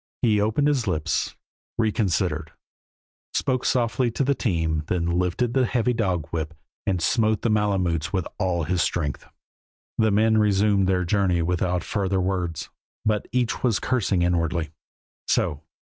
He opened his lips, reconsidered, spoke softly to the team, then lifted the heavy dog whip and smote the Malemutes with all his strength. The men resumed their journey without further words, but each was cursing inwardly. "So!